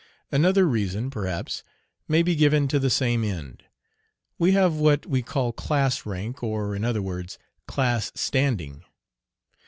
Another reason, perhaps, may be given to the same end. We have what we call class rank, or, in other words, class standing.